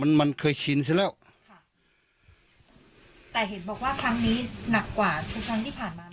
มันมันเคยชินซะแล้วค่ะแต่เห็นบอกว่าครั้งนี้หนักกว่าทุกครั้งที่ผ่านมา